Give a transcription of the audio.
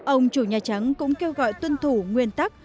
ông chủ nhà trắng cũng kêu gọi tuân thủ nguyên tắc